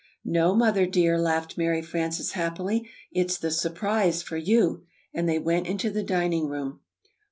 "No, Mother, dear," laughed Mary Frances, happily; "it's the 'surprise' for you." And they went into the dining room.